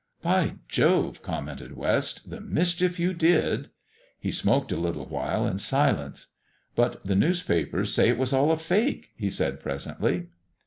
"By Jove!" commented West; "the mischief you did!" He smoked a little while in silence. "But the newspapers say it was all a fake," he said, presently.